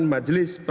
sudah penerbit pada